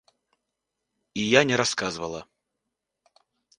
І я не расказвала.